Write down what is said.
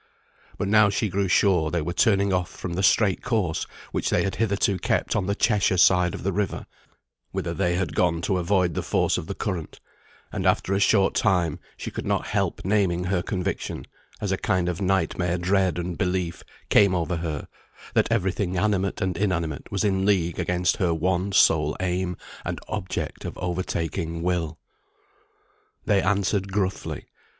But now she grew sure they were turning off from the straight course which they had hitherto kept on the Cheshire side of the river, whither they had gone to avoid the force of the current, and after a short time she could not help naming her conviction, as a kind of nightmare dread and belief came over her, that every thing animate and inanimate was in league against her one sole aim and object of overtaking Will. They answered gruffly.